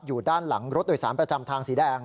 อยู่ด้านหลังรถโดยสารประจำทางสีแดง